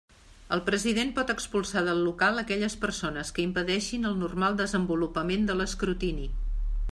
El president pot expulsar del local a aquelles persones que impedeixin el normal desenvolupament de l'escrutini.